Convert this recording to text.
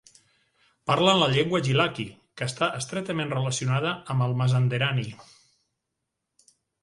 Parlen la llengua gilaki, que està estretament relacionada amb el mazanderani.